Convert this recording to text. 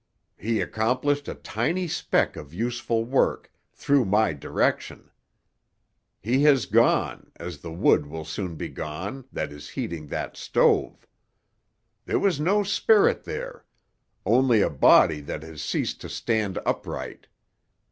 "He accomplished a tiny speck of useful work, through my direction. He has gone, as the wood will soon be gone that is heating that stove. There was no spirit there; only a body that has ceased to stand upright.